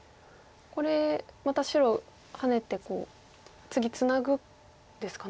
これまた白ハネて次ツナぐんですかね。